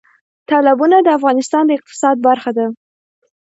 تالابونه د افغانستان د اقتصاد برخه ده.